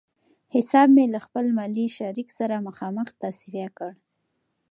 حساب مې له خپل مالي شریک سره مخامخ تصفیه کړ.